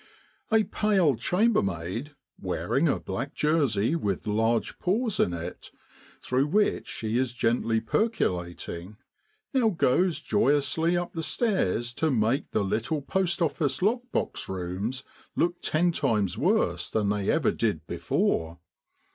A pale chambermaid, wearing a black jersey with large pores in it, through which she is gently percolating, now goes joyously up the stairs to make the little post office lock box rooms look ten times worse than they ever did before.